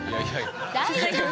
大丈夫よ。